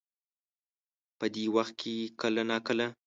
په دې وخت کې کله نا کله